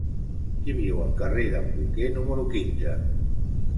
Qui viu al carrer d'en Boquer número quinze?